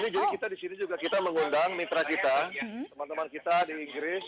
jadi kita disini juga kita mengundang mitra kita teman teman kita di inggris